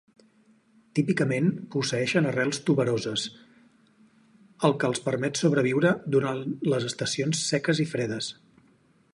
Típicament posseeixen arrels tuberoses, el que els permet sobreviure durant les estacions seques i fredes.